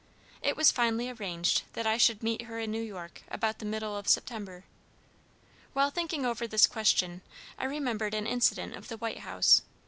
It was finally arranged that I should meet her in New York about the middle of September. While thinking over this question, I remembered an incident of the White House.